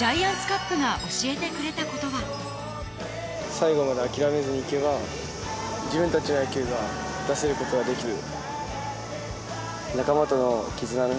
最後まで諦めずにいけば自分たちの野球が出せることはできる。